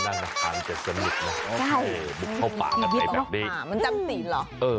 นั่นอาหารเจ็ดสลิบนะบุคเข้าป่ากันไปแบบนี้